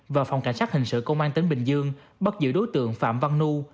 và phòng cảnh sát hình sự công an tp bình dương bắt giữ đối tượng phạm văn nư